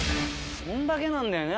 こんだけなんだよね。